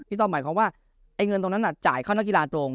ต้องหมายความว่าไอ้เงินตรงนั้นจ่ายเข้านักกีฬาตรง